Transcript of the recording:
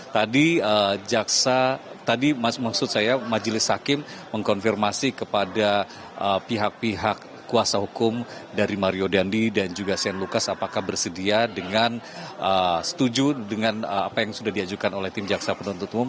tadi jaksa tadi maksud saya majelis hakim mengkonfirmasi kepada pihak pihak kuasa hukum dari mario dandi dan juga shane lucas apakah bersedia dengan setuju dengan apa yang sudah diajukan oleh tim jaksa penuntut umum